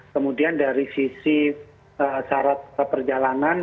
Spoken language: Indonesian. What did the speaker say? kemudian dari sisi syarat perjalanan